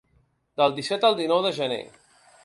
Del disset al dinou de gener.